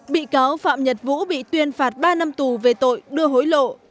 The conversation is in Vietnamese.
bị cáo phạm nhật vũ bị tuyên phạt ba năm tù về tội đưa hối lộ